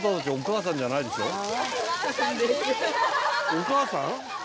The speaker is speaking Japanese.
お母さん！？